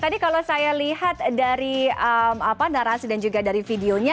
tadi kalau saya lihat dari narasi dan juga dari videonya